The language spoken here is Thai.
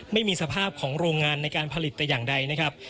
ไม่มีสภาพของโรงงานในการผลิตแต่อย่างใดนะครับ